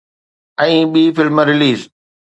۽ ٻي film release